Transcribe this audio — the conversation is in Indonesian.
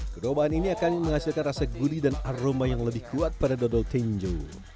kedua bahan ini akan menghasilkan rasa gurih dan aroma yang lebih kuat pada dodol tinju